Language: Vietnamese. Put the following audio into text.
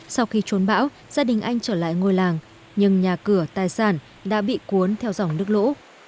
sau khi trốn bão gia đình anh trở lại ngôi làng nhưng nhà cửa tài sản đã bị cuốn theo dòng nước lũ